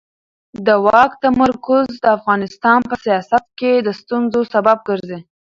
د واک تمرکز د افغانستان په سیاست کې د ستونزو سبب ګرځي